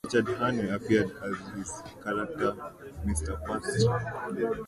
Richard Hearne appeared as his character Mister Pastry.